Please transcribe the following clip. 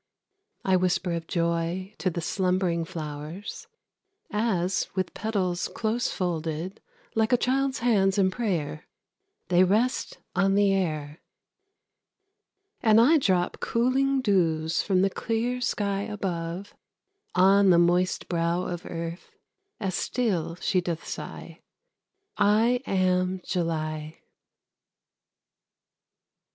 I whisper of joy to the slumbering flowers, As, with petals close folded, like child hands in prayer, They rest on the air, And I drop cooling dews from the clear sky above On the moist brow of Earth, as still she doth sigh. I am July.